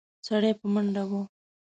سړی په منډه و.